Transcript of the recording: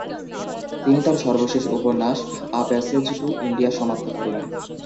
তিনি তার সর্বশেষ উপন্যাস আ প্যাসেজ টু ইন্ডিয়া সমাপ্ত করেন।